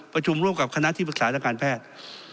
ประชุมร่วมกับคณะที่ปรึกษาทางการแพทย์